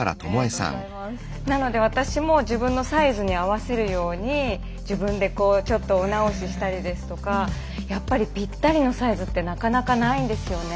なので私も自分のサイズに合わせるように自分でちょっとお直ししたりですとかやっぱりぴったりのサイズってなかなかないんですよね。